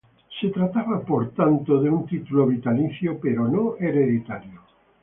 Se trataba, por tanto, de un título vitalicio pero no hereditario.